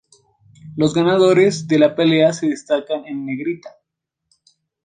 Los ganadores de cada pelea se destacan en negrita.